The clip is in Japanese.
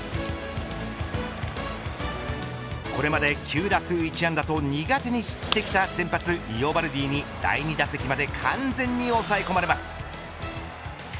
これまで９打数１安打と苦手にしてきた先発イオバルディに第２打席まで完全に抑え込まれます。